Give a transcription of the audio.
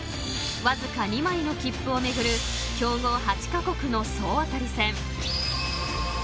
［わずか２枚の切符を巡る強豪８カ国の総当たり戦］